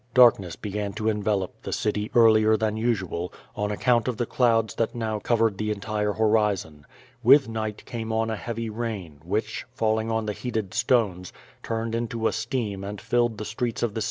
Dark ness began to envelop the city earlier than usual, on account of the clouds that now covered the entire horizon. With night came on a heavy rain, which, falling on the licated stones, turned into a steam and filled the streets of the city B.